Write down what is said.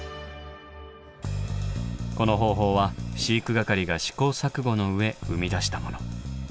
この方法は飼育係が試行錯誤の上生み出したもの。